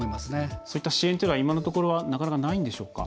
そういった支援というのは今のところはなかなかないんでしょうか？